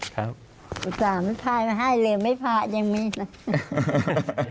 พายมาให้เรือไม่พายังมีนะ